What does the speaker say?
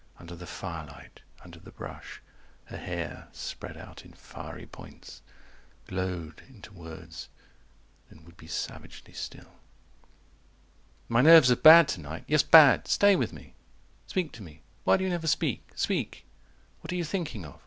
Under the firelight, under the brush, her hair Spread out in fiery points Glowed into words, then would be savagely still. 110 "My nerves are bad to night. Yes, bad. Stay with me. "Speak to me. Why do you never speak. Speak. "What are you thinking of?